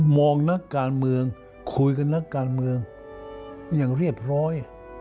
งนักการเมืองคุยกับนักการเมืองอย่างเรียบร้อย